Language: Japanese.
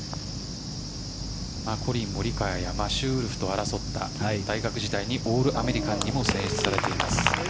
コリン・モリカワやマシュー・ウルフと争った大学時代にオールアメリカンにも選出されています。